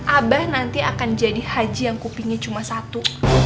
abah nanti akan jadi haji yang kupingnya cuma satu